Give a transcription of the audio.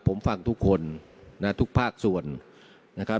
ผมฟังทุกคนนะทุกภาคส่วนนะครับ